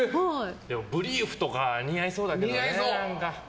ブリーフとか似合いそうだけどね。